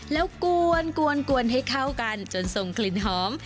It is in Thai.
แล้วกวนให้เข้ากันจนส่งกลิ่นหอม